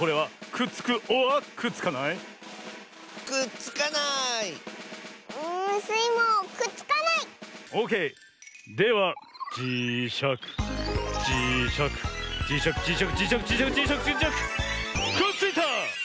くっついた！